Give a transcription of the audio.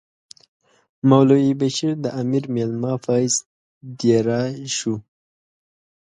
مولوی بشیر د امیر مېلمه په حیث دېره شو.